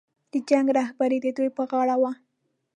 د جنګ رهبري د دوی پر غاړه وه.